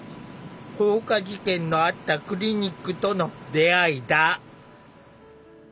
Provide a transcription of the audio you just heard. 放火事件のあったクリニックとの出会いだ。